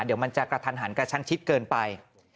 เดี๋ยวมันจะกระทันหันกระชั้นชิดเกินไป